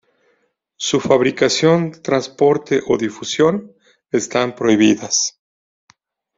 Su fabricación, transporte o difusión están prohibidas.